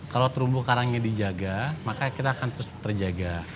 kalau terumbu karangnya dijaga maka kita akan terus terjaga